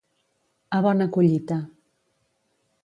A bona collita.